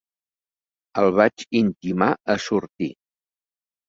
El vaig intimar a sortir.